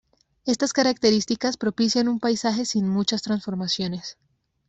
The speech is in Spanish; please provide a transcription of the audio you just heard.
Estas características propician un paisaje sin muchas transformaciones.